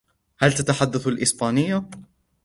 هل تتحدث الإسبانية ؟